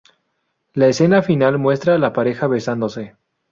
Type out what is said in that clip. La escena final muestra a la pareja besándose.